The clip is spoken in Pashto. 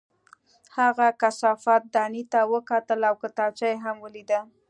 هغه کثافت دانۍ ته وکتل او کتابچه یې هم ولیده